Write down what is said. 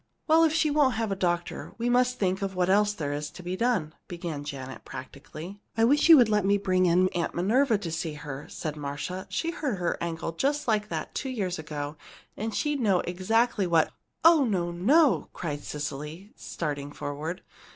"Well, if she won't have a doctor, we must think what else there is to be done," began Janet, practically. "I wish you'd let me bring Aunt Minerva in to see her," said Marcia. "She hurt her ankle just like that, two years ago, and she'd know exactly what " "Oh, no, no!" cried Cecily, starting forward.